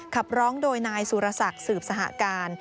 ขับร้องโดยนายสุรศักดิ์สืบสหการ